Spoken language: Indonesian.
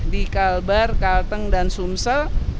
di kalbar kalteng dan sumsel